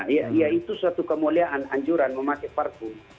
ya itu suatu kemuliaan anjuran memakai parku